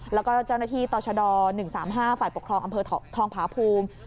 แล้วก็เจ้าหน้าที่ต่อชด๑๓๕ฝ่ายปกครองอำเภอทองผาภูมิ